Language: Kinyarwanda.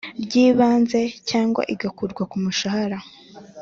ry Ibanze cyangwa igakurwa ku mushahara